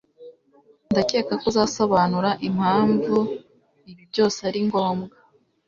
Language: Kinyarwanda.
ndakeka ko uzasobanura impamvu ibi byose ari ngombwa